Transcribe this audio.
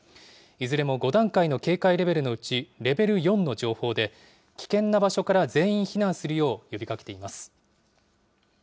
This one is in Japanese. いずれも５段階の警戒レベルのうち、レベル４の情報で、危険な場所から全員避難するよう呼びかけ